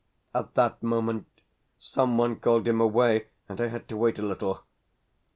At that moment someone called him away, and I had to wait a little.